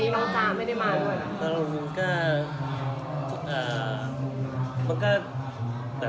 ประตูนมือก็